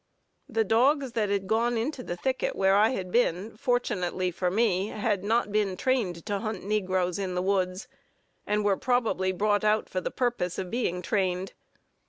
The dogs that had gone into the thicket where I had been, fortunately for me had not been trained to hunt negroes in the woods, and were probably brought out for the purpose of being trained.